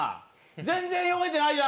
全然読めてないじゃん。